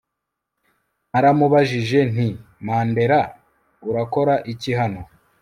naramubajije nti Mandela urakora iki hano